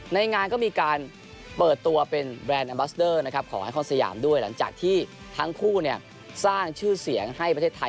ในงานก็มีการเปิดตัวเป็นแบรนด์แอมบัสเดอร์นะครับของไอคอนสยามด้วยหลังจากที่ทั้งคู่สร้างชื่อเสียงให้ประเทศไทย